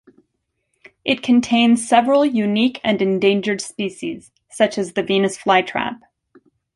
It contains several unique and endangered species, such as the venus flytrap.